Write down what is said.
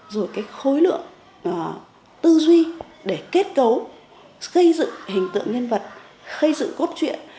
rồi cái khối lượng tư duy để kết cấu khây dựng hình tượng nhân vật khây dựng cốt truyện